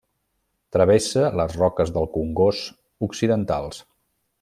Travessa les Roques del Congost occidentals.